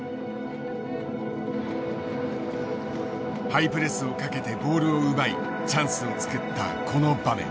ハイプレスをかけてボールを奪いチャンスを作ったこの場面。